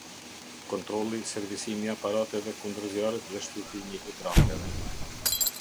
Kontrolli, servisimi i aparateve kunder zjarrit dhe shqyrtimi i hidranteve